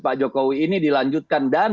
pak jokowi ini dilanjutkan dan